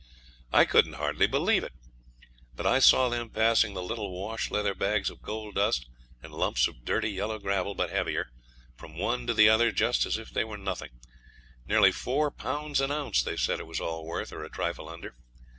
I couldn't hardly believe it; but I saw them passing the little washleather bags of gold dust and lumps of dirty yellow gravel, but heavier, from one to the other just as if they were nothing nearly 4 Pounds an ounce they said it was all worth, or a trifle under.